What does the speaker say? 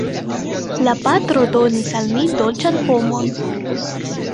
La patro donis al mi dolĉan pomon.